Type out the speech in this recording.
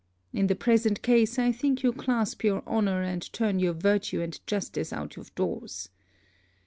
In the present case, I think you clasp your honour and turn your virtue and justice out of doors.